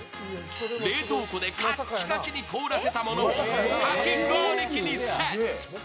冷凍庫でカッチカチに凍らせたものをかき氷機にセット。